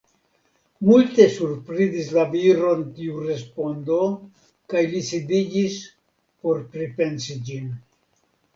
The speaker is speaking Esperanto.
Multe surprizis la viron tiu respondo kaj li sidiĝis por pripensi ĝin.